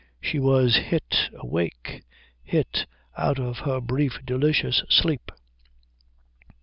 She was hit awake, hit out of her brief delicious sleep.